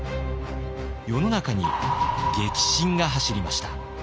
世の中に激震が走りました。